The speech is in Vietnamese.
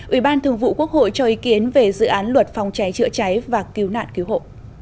ủy ban thường vụ quốc hội cho ý kiến về dự án luật phòng cháy chữa cháy và cứu nạn cứu hộ